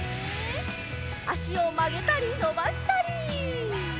あしをまげたりのばしたり！